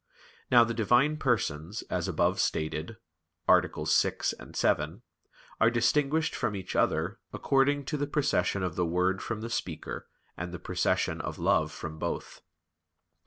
Now the Divine Persons, as above stated (AA. 6, 7), are distinguished from each other according to the procession of the word from the speaker, and the procession of love from both.